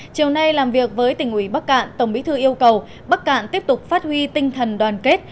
chiều nay làm việc với tỉnh ủy bắc cạn tổng bí thư yêu cầu bắc cạn tiếp tục phát huy tinh thần đoàn kết